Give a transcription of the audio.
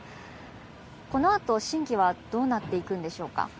このあと審議はどうなっていくんでしょうか。